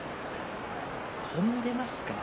跳んでますか。